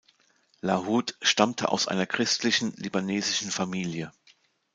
Lahoud stammte aus einer christlichen libanesischen Familie.